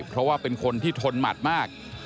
เพราะว่าเป็นคนที่ทนหมัดมาก